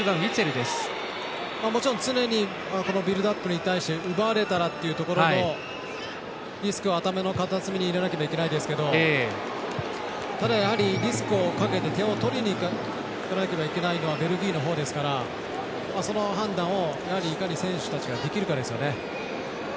もちろん常にビルドアップに対して奪われたらというところのリスクを頭の片隅に入れないといけないですけどただ、リスクをかけて点を取りにいかなければいけないのはベルギーのほうですからその判断をやはり、いかに選手たちができるかですよね。